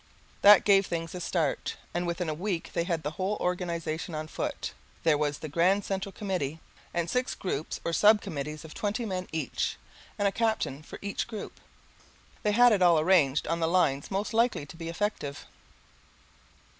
That gave things a start, and within a week they had the whole organization on foot. There was the Grand Central Committee and six groups or sub committees of twenty men each, and a captain for every group. They had it all arranged on the lines most likely to be effective.